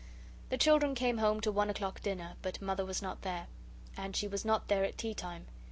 The children came home to one o'clock dinner, but Mother was not there. And she was not there at tea time.